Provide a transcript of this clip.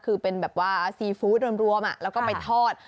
คือเป็นแบบว่าซีฟู้ดรวมแล้วก็ไปทอด